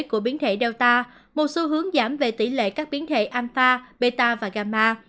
của biến thể delta một xu hướng giảm về tỷ lệ các biến thể alpha beta và gamma